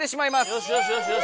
よしよしよしよし！